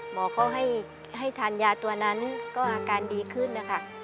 หมอเขาให้ทานยาตัวนั้นก็อาการดีขึ้นนะคะ